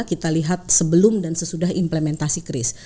kita lihat sebelum dan sesudah implementasi kris